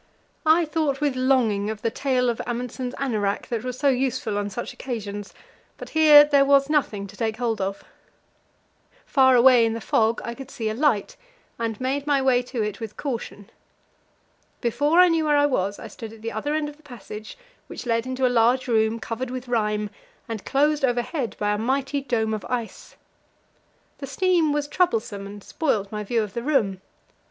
I thought with longing of the tail of Amundsen's anorak that was so useful on such occasions, but here there was nothing to take hold of. Far away in the fog I could see a light, and made my way to it with caution. Before I knew where I was, I stood at the other end of the passage, which led into a large room, covered with rime, and closed overhead by a mighty dome of ice. The steam was troublesome, and spoilt my view of the room.